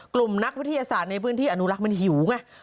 กลุ่มนักวิทยาศาสตร์ในพื้นที่อนุรักษ์มันหิวไง